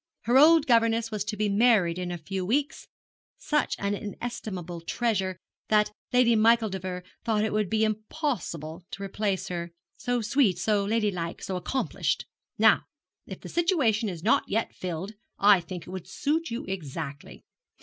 Her old governess was to be married in a few weeks, such an inestimable treasure that Lady Micheldever thought it would be impossible to replace her, so sweet, so ladylike, so accomplished. Now, if the situation is not yet filled, I think it would suit you exactly.